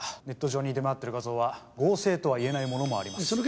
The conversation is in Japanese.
ネット上に出回ってる画像は合成とは言えないものもあります。